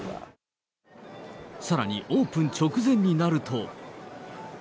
さらにオープン直前になると。